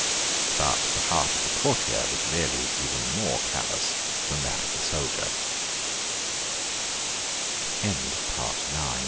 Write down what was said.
But the heart of the courtier was really even more callous than that of the soldie